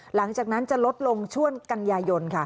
หลังจากนั้นจะลดลงช่วงกันยายนค่ะ